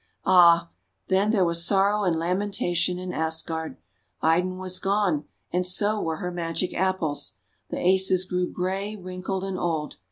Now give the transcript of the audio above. Ah, then there was sorrow and lamentation in Asgard! Idun was gone and so were her Magic Apples. The Asas grew grey, wrinkled, and old.